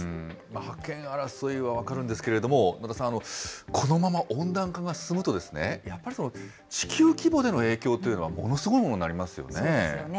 覇権争いは分かるんですけれども、野田さん、このまま温暖化が進むとですね、やっぱり地球規模での影響というのはものすごいそうですよね。